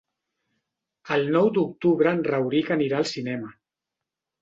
El nou d'octubre en Rauric anirà al cinema.